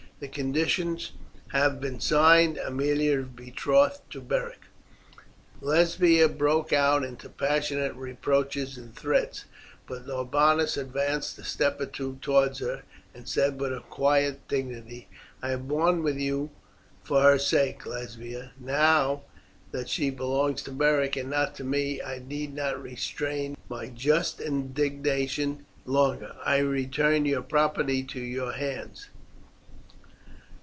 The conditions have been signed. Aemilia is betrothed to Beric." Lesbia broke out into passionate reproaches and threats, but Norbanus advanced a step or two towards her, and said with quiet dignity, "I have borne with you for her sake, Lesbia. Now that she belongs to Beric and not to me, I need not restrain my just indignation longer. I return your property to your hands."